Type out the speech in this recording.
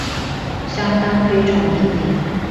相當推崇印尼